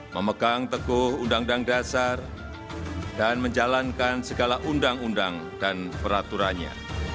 memegang teguh undang undang dasar dan menjalankan segala undang undang dan peraturannya